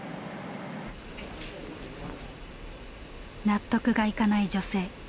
納得がいかない女性。